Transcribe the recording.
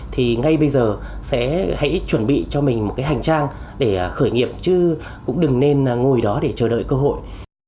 thì ngay bây giờ sẽ hãy chuẩn bị cho mình một cái hành trang để khởi nghiệp chứ cũng đừng nên ngồi đó để chờ đợi cơ hội